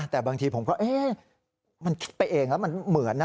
แต่บางทีผมก็เอ๊ะมันคิดไปเองแล้วมันเหมือนนะ